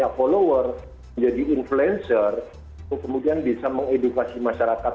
follower menjadi influencer itu kemudian bisa mengedukasi masyarakat